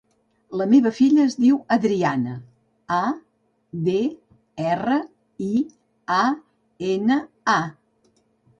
La meva filla es diu Adriana: a, de, erra, i, a, ena, a.